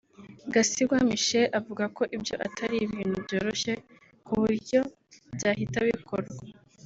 Gasingwa Michel avuga ko ibyo atari ibintu byoroshye ku buryo byahita bikorwa